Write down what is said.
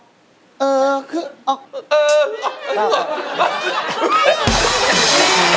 ก็คือออกเออออกด้วย